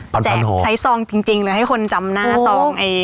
พันพันห่อค่ะใช้ซองจริงเลยให้คนจำหน้าซองไอ้